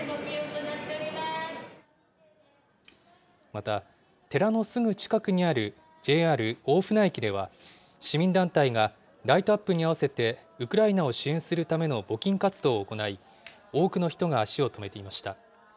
また、寺のすぐ近くにあるＪＲ大船駅では、市民団体がライトアップに合わせてウクライナを支援するための募金活動を行い、多くの人が足を止めていました。